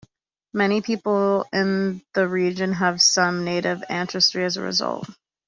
Many people in the region have some native ancestry as a result.